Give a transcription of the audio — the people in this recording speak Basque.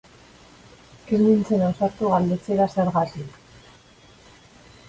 Ez nintzen ausartu galdetzera zergatik.